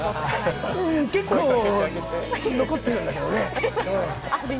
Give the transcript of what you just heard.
結構残っているんだけどね。